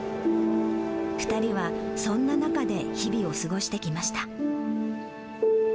２人は、そんな中で日々を過ごしてきました。